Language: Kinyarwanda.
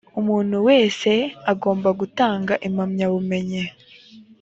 umuntu wese agomba gutanga impamyabumenyi